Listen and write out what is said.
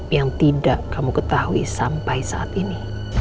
yang tidak kamu ketahui sampai saat ini